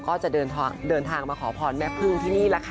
ก็จะเดินทางเดินทางมาขอพรแม่เพลิงที่นี่แหละค่ะ